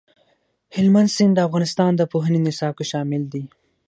هلمند سیند د افغانستان د پوهنې نصاب کې شامل دي.